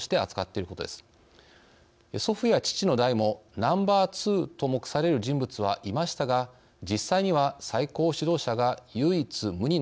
祖父や父の代もＮｏ．２と目される人物はいましたが実際には最高指導者が唯一無二の存在でした。